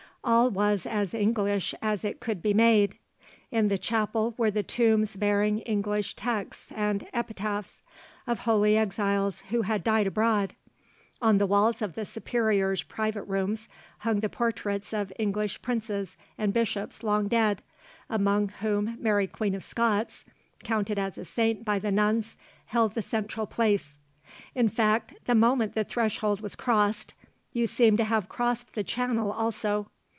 All was as English as it could be made. In the chapel were the tombs bearing English texts and epitaphs, of holy exiles who had died abroad. On the walls of the Superior's private rooms hung the portraits of English princes and bishops long dead, among whom Mary Queen of Scots counted as a saint by the nuns held the central place. In fact, the moment the threshold was crossed, you seemed to have crossed the Channel also.